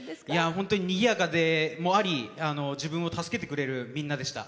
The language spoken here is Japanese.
本当ににぎやかでもあり自分を助けてくれるみんなでした。